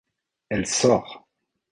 Elle sort.